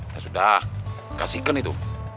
ya sudah kasihkan itu